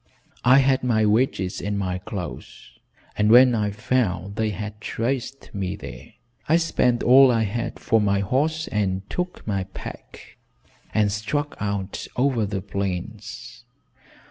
I had my wages and my clothes, and when I found they had traced me there, I spent all I had for my horse and took my pack and struck out over the plains."